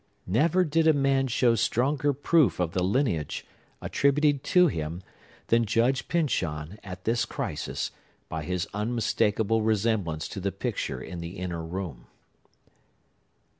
Never did a man show stronger proof of the lineage attributed to him than Judge Pyncheon, at this crisis, by his unmistakable resemblance to the picture in the inner room.